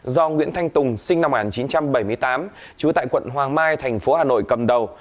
do nguyễn thanh tùng sinh năm một nghìn chín trăm bảy mươi tám trú tại quận hoàng mai thành phố hà nội cầm đầu